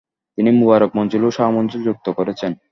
তিনি মুবারাক মঞ্জিল ও শাহ মঞ্জিল যুক্ত করেছেন।